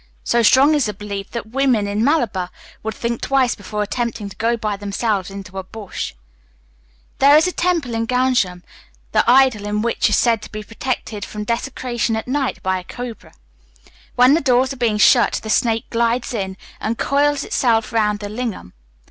So strong is the belief, that women in Malabar would think twice before attempting to go by themselves into a bush. There is a temple in Ganjam, the idol in which is said to be protected from desecration at night by a cobra. When the doors are being shut, the snake glides in, and coils itself round the lingam.